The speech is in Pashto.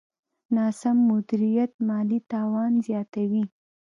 ناسم مدیریت مالي تاوان زیاتوي.